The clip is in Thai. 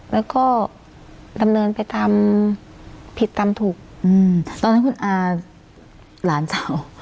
แล้วก็ดำเนินไปทำผิดทำถูกอืมตอนนั้นคุณอาหลานสาว